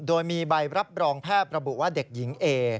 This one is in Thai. โดยมีใบรับรองแพทย์ระบุว่าเด็กหญิงเอ